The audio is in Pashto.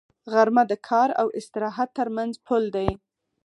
غرمه د کار او استراحت تر منځ پل دی